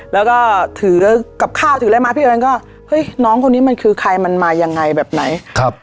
แล้วก็ถือกับข้าวถืออะไรมาพี่เอิญก็เฮ้ยน้องคนนี้มันคือใครมันมายังไงแบบไหนครับ